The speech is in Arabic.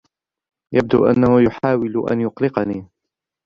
يبدو أنّه يحاول أن يقلقني.